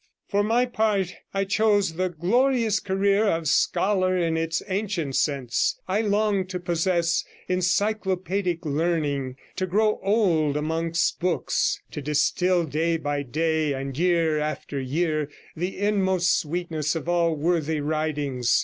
For my part, I chose the glorious career of scholar in its ancient sense; I longed to possess encyclopaedic learning, to grow old amongst books, to distil day by day, and year after year, the inmost sweetness of all worthy writings.